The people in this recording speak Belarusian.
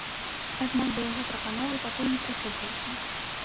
Аднак да яго прапановы пакуль не прыслухаліся.